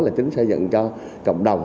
là chính xây dựng cho cộng đồng